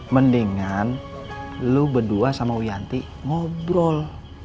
mendingan lu berdua sama wiyanti ngobrol